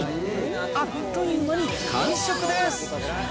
あっという間に完食です。